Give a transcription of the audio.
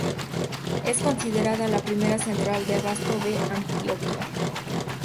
Es considerada la primera central de abasto de Antioquia.